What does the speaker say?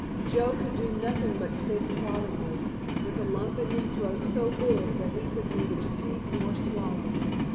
Joe could do nothing but sit soddenly, with a lump in his throat so big that he could neither speak nor swallow.